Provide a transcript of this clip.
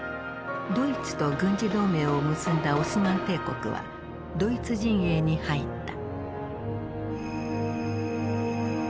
ドイツと軍事同盟を結んだオスマン帝国はドイツ陣営に入った。